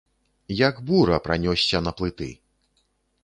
Як бура, пранёсся на плыты.